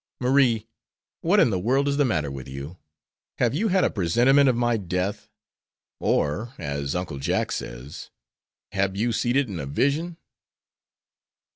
"Marie, what in the world is the matter with you? Have you had a presentiment of my death, or, as Uncle Jack says, 'hab you seed it in a vision?'"